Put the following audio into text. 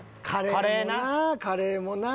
カレーもなカレーもな。